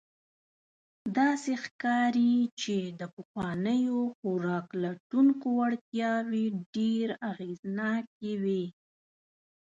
داسې ښکاري، چې د پخوانیو خوراک لټونکو وړتیاوې ډېر اغېزناکې وې.